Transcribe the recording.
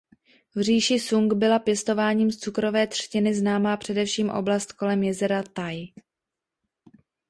V říši Sung byla pěstováním cukrové třtiny známá především oblast kolem jezera Tchaj.